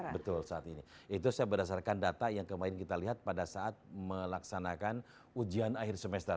betul saat ini itu saya berdasarkan data yang kemarin kita lihat pada saat melaksanakan ujian akhir semester